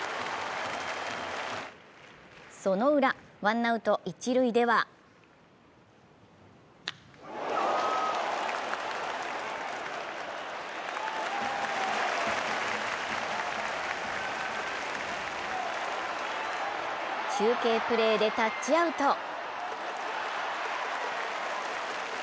そのウラ、ワンアウト一塁では中継プレーでタッチアウト。